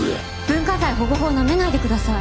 文化財保護法をなめないでください。